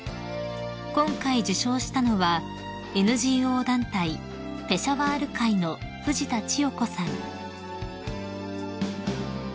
［今回受章したのはＮＧＯ団体ペシャワール会の藤田千代子さん］